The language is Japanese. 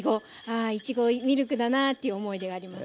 あいちごミルクだなという思い出があります。